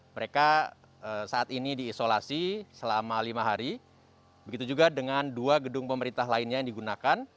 mereka saat ini diisolasi selama lima hari begitu juga dengan dua gedung pemerintah lainnya yang digunakan